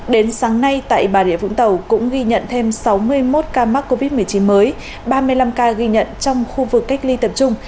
đến sáng nay tại bà rịa vũng tàu cũng ghi nhận thêm sáu mươi một ca mắc covid một mươi chín mới ba mươi năm ca ghi nhận trong khu vực cách ly tập trung